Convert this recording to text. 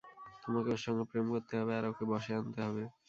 তোমাকে ওর সঙ্গে প্রেম করতে হবে আর ওকে বশে আনতে হবে।